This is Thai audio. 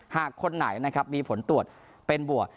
หากคนไหนมีผลตรวจเป็นบวก